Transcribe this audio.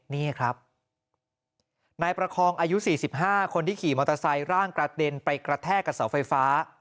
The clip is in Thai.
นี่ครับนายประคองอายุ๔๕คนที่ขี่มอเตอร์ไซค์ร่างกระเด็นไปกระแทกกับเสาไฟฟ้า